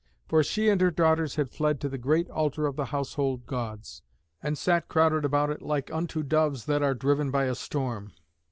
For she and her daughters had fled to the great altar of the household Gods, and sat crowded about it like unto doves that are driven by a storm.